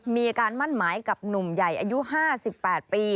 มีการมั่นหมายกับหนุ่มใหญ่อายุ๕๘ปี